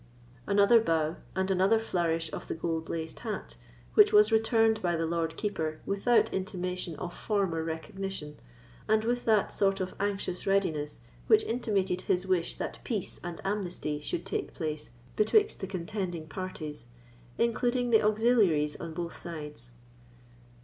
Another bow, and another flourish of the gold laced hat, which was returned by the Lord Keeper without intimation of former recognition, and with that sort of anxious readiness which intimated his wish that peace and amnesty should take place betwixt the contending parties, including the auxiliaries on both sides.